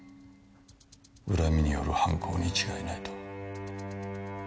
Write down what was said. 恨みによる犯行に違いないと確信したんだ。